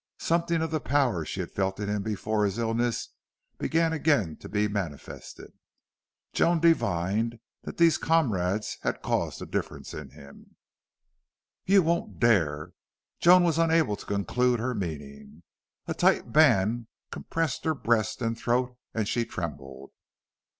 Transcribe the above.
Something of the power she had felt in him before his illness began again to be manifested. Joan divined that these comrades had caused the difference in him. "You won't dare !" Joan was unable to conclude her meaning. A tight band compressed her breast and throat, and she trembled.